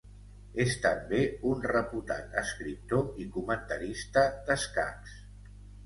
És també un reputat escriptor i comentarista d'escacs.